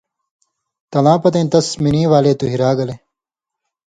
تلاں پتَیں تس مِنی والے تُوہیۡرا گلے